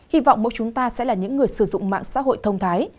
hy vọng mỗi chúng ta sẽ là những người sử dụng mạng xã hội thông thái